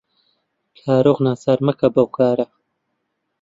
کارۆخ ناچار مەکە بەو کارە.